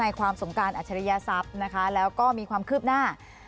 ความสงการอัจฉริยศัพย์นะคะแล้วก็มีความคืบหน้า